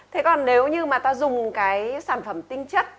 thế còn nếu như mà ta dùng cái sản phẩm tinh chất